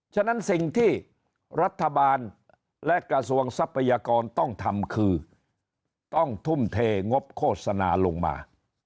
ฉะนั้นสิ่งที่รัฐบาลและกระทรวงทรัพยากรต้องทำคือต้องทุ่มเทงบโฆษณาลงมา